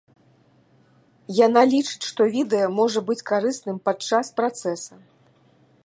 Яна лічыць, што відэа можа быць карысным падчас працэса.